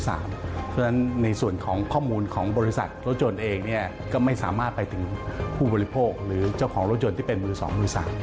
เพราะฉะนั้นในส่วนของข้อมูลของบริษัทรถยนต์เองก็ไม่สามารถไปถึงผู้บริโภคหรือเจ้าของรถยนต์ที่เป็นมือ๒มือ๓